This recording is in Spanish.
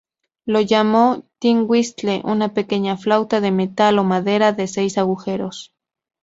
Lo llamó "tin whistle", una pequeña flauta de metal o madera de seis agujeros.